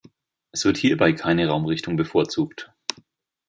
Es wird hierbei keine Raumrichtung bevorzugt.